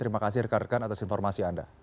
terima kasih rekan rekan atas informasi anda